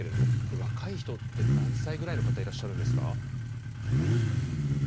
若い人って何歳ぐらいの方いらっしゃるんですか？